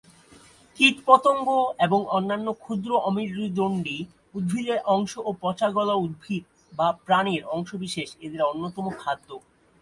কীট, পতঙ্গ এবং অন্যান্য ক্ষুদ্র অমেরুদণ্ডী, উদ্ভিদের অংশ ও পচা-গলা উদ্ভিদ বা প্রাণীর অংশবিশেষ এদের অন্যতম খাদ্য।